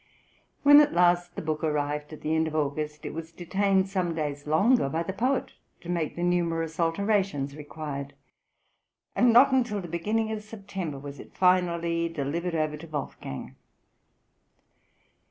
When at last the book arrived at the end of August it was detained some days longer by the poet to make the numerous alterations required, and not until the beginning of September was it finally delivered over to Wolfgang.